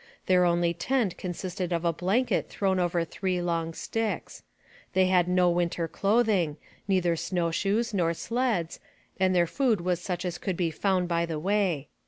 Their only tent consisted of a blanket thrown over three long sticks. They had no winter clothing, neither snow shoes nor sleds, and their food was such as could be found by the way.